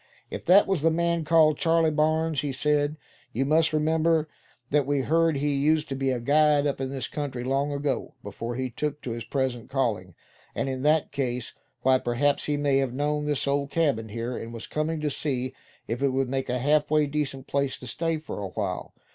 "If that was the man called Charley Barnes," he said, "you must remember that we heard he used to be a guide up in this country long ago, before he took to his present calling. And in that case, why, perhaps he may have known of this old cabin here, and was coming to see if it would make a half way decent place to stay for a while.